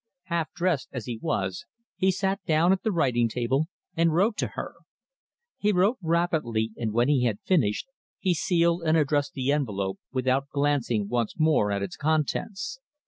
Half dressed as he was, he sat down at the writing table and wrote to her. He wrote rapidly, and when he had finished, he sealed and addressed the envelope without glancing once more at its contents.